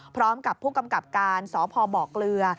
พร้อมกับผู้กำกับการสพบเกลือ